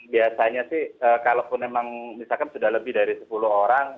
biasanya sih kalau pun memang misalkan sudah lebih dari sepuluh orang